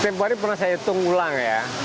februari pernah saya hitung ulang ya